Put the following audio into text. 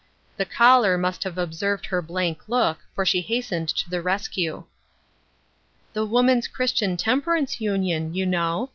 The caller must have observed her blank look, for she hastened to the rescue. "The Woman's Christian Temperance Union, you know.